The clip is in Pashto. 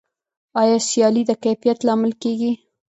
آیا سیالي د کیفیت لامل کیږي؟